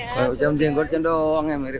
kalau dicam cengkur cendawang yang mirip